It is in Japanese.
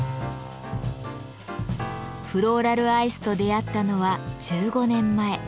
フローラルアイスと出会ったのは１５年前。